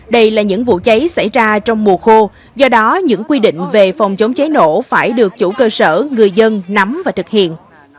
đây là những vụ cháy xảy ra trong mùa khô do đó những quy định về phòng chống cháy nổ phải được chủ cơ sở người dân nắm và thực hiện